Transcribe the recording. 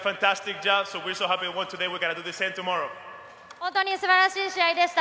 本当にすばらしい試合でした。